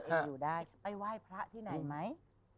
เองอยู่ได้ไว้พระที่ไหนไหม